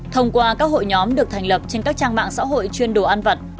thông qua các hội nhóm được thành lập trên các trang mạng xã hội chuyên đồ ăn vật